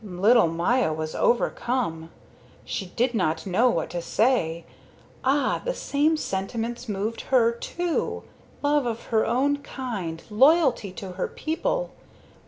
Little Maya was overcome. She did not know what to say. Ah, the same sentiments moved her, too love of her own kind, loyalty to her people.